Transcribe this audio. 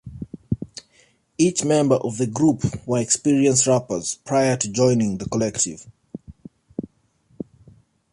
Each member of the group were experienced rappers prior to joining the collective.